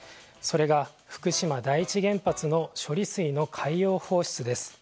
それが、福島第一原発の処理水の海洋放出です。